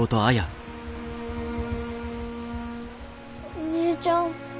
お姉ちゃん。